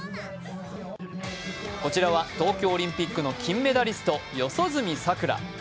こちらは東京オリンピックの金メダリスト・四十住さくら。